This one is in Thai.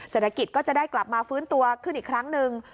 เศรษฐกิจก็จะได้กลับมาฟื้นตัวขึ้นอีกครั้งหนึ่ง